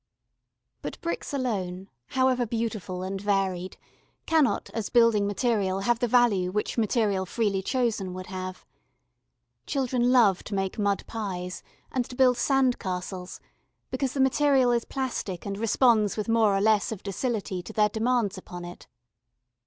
But bricks alone, however beautiful and varied, cannot as building material have the value which material freely chosen would have. Children love to make mud pies, and to build sand castles, because the material is plastic and responds with more or less of docility to their demands upon it.